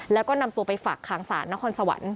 แล้วก็นำตัวไปฝากค้างศาลนครสวรรค์